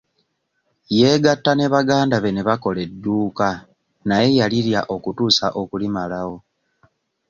Yeegatta ne baganda be ne bakola edduuka naye yalirya okutuusa okulimalawo.